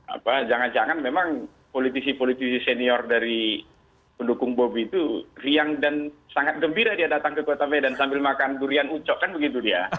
apa jangan jangan memang politisi politisi senior dari pendukung bobi itu riang dan sangat gembira dia datang ke kota medan sambil makan durian ucok kan begitu dia